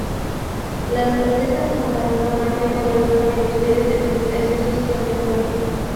Las protestas contaron con amplia cobertura en los medios de comunicación social de Colombia.